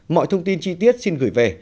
mọi thông tin chi tiết xin gửi về